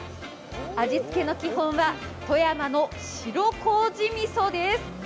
味付けの基本は富山の白麹みそです。